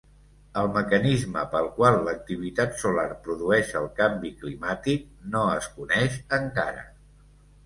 El mecanisme pel qual l'activitat solar produïx el canvi climàtic no es coneix encara.